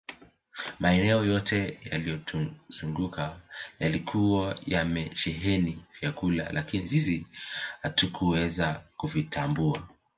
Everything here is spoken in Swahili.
Maeneo yote yaliyotuzunguka yalikuwa yamesheheni vyakula lakini sisi hatukuweza kuvitambua